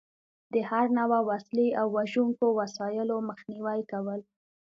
د هر نوع وسلې او وژونکو وسایلو مخنیوی کول.